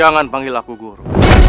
jangan panggil aku guru